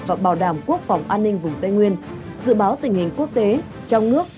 và bảo đảm quốc phòng an ninh vùng tây nguyên dự báo tình hình quốc tế trong nước